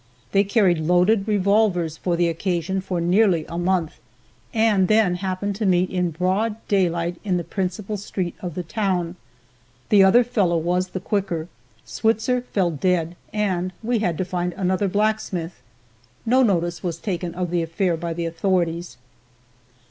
They carried loaded revolvers for the occasion for nearly a month, and then happened to meet in broad daylight in the principal street of the town. The other fellow was the quicker Switzer fell dead and we had to find another blacksmith. No notice was taken of the affair by the authorities.